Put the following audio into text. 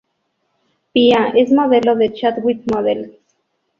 Pia es modelo de Chadwick Models.